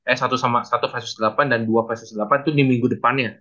eh satu versus delapan dan dua versus delapan itu di minggu depannya